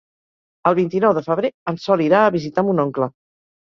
El vint-i-nou de febrer en Sol irà a visitar mon oncle.